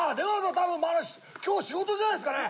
たぶんまだ今日仕事じゃないですかね？